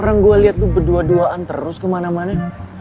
orang gue liat tuh berdua duaan terus kemana mana